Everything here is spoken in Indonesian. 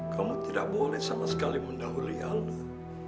kamu tidak boleh sama sekali mendahului allah